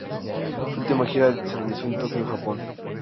Su última gira se realizó en Tokio, Japón.